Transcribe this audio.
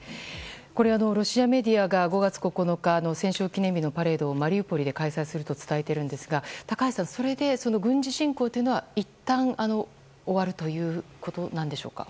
ロシアメディアが５月９日の戦勝記念日のパレードをマリウポリで開催すると伝えているんですが高橋さんそれで軍事侵攻というのはいったん終わるということなんでしょうか？